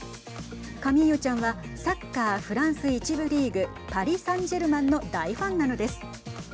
カミーユちゃんはサッカー、フランス１部リーグパリサンジェルマンの大ファンなのです。